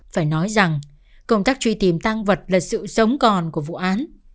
phải nói rằng công tác truy tìm tăng vật là sự sống còn của vụ án